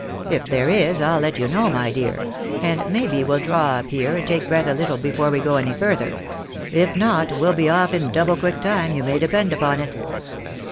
If there is, I'll let you know, my dear ; and maybe we'll draw up here, and take breath a little before we go any further. If not, we'll be off in double quick time, you may depend upon it."